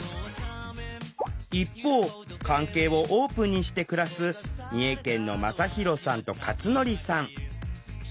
一方関係をオープンにして暮らす三重県のまさひろさんとかつのりさん。